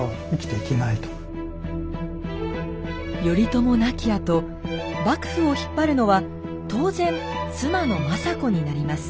ということで頼朝亡きあと幕府を引っ張るのは当然妻の政子になります。